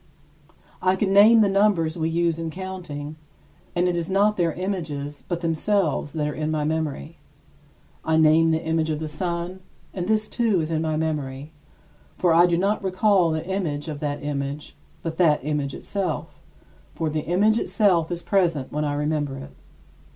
I can name the numbers we use in counting, and it is not their images but themselves that are in my memory. I name the image of the sun, and this too is in my memory. For I do not recall the image of that image, but that image itself, for the image itself is present when I remember it.